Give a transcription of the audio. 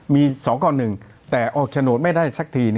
มีสองก่อนหนึ่งแต่ออกแสดงไปสักที